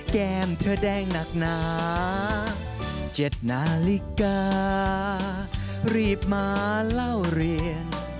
แก้มเธอแดงหนักหนา๗นาฬิการีบมาเล่าเรียน